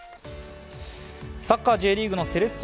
サッカーＪリーグのセレッソ